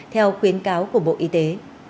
theo khuyến cáo của bộ y tế